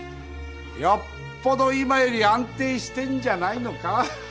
よっぽど今より安定してんじゃないのか